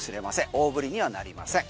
大ぶりにはなりません。